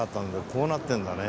こうなってんだね。